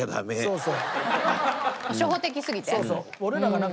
そうそう。